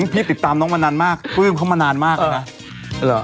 ติดตามน้องมานานมากปลื้มเขามานานมากแล้วนะ